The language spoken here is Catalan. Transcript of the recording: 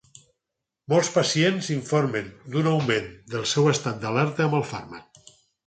Molts pacients informen d'un augment del seu estat d'alerta amb el fàrmac.